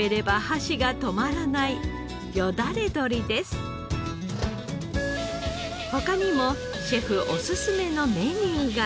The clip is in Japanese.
他にもシェフおすすめのメニューが。